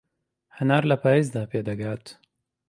هەنار لە پایزدا پێدەگات